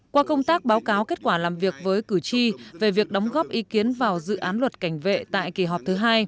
qua công tác báo cáo kết quả làm việc với cử tri về việc đóng góp ý kiến vào dự án luật cảnh vệ tại kỳ họp thứ hai